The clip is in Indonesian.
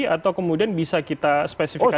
atau kemudian bisa kita spesifikasi